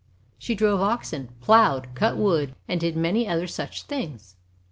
She drove oxen, plowed, cut wood, and did many other such things.